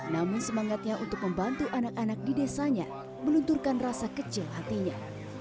namun semangatnya untuk membantu anak anak di desanya melunturkan rasa kecil hatinya